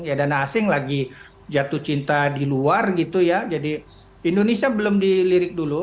ya dana asing lagi jatuh cinta di luar gitu ya jadi indonesia belum dilirik dulu